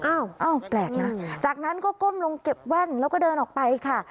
อ้าวแปลกนะจากนั้นก็ก้มลงเก็บแว่นแล้วก็เดินออกไปค่ะ